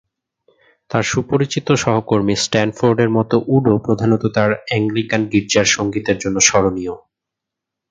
তার সুপরিচিত সহকর্মী স্ট্যানফোর্ডের মতো উডও প্রধানত তার অ্যাংলিকান গির্জার সংগীতের জন্য স্মরণীয়।